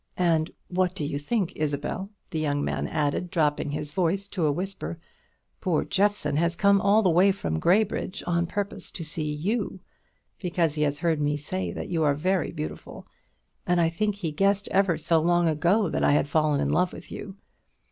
And what do you think, Isabel?" the young man added, dropping his voice to a whisper; "poor Jeffson has come all the way from Gray bridge on purpose to see you, because he has heard me say that you are very beautiful; and I think he guessed ever so long ago that I had fallen in love with you.